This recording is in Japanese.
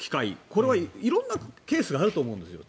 これは色んなケースがあると思うんですよ。